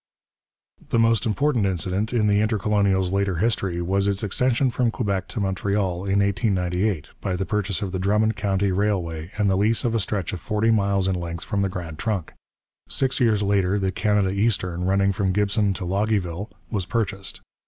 The most important incident in the Intercolonial's later history was its extension from Quebec to Montreal in 1898, by the purchase of the Drummond County Railway and the lease of a stretch of forty miles in length from the Grand Trunk. Six years later the Canada Eastern, running from Gibson to Loggieville, was purchased.